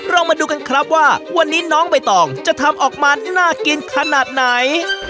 เรามาดูกันครับว่าวันนี้น้องใบตองจะทำออกมาน่ากินขนาดไหน